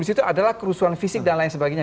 di situ adalah kerusuhan fisik dan lain sebagainya